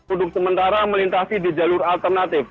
untuk sementara melintasi di jalur alternatif